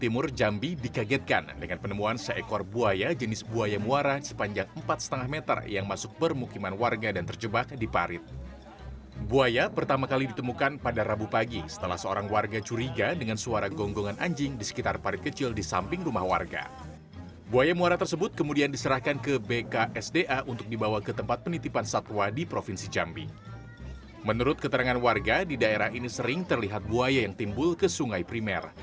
menurut keterangan warga di daerah ini sering terlihat buaya yang timbul ke sungai primer